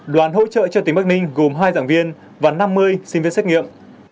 đoàn hỗ trợ cho tỉnh bắc ninh gồm hai giảng viên và năm mươi sinh viên xét nghiệm